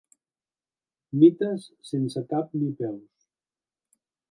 Mites sense cap ni peus.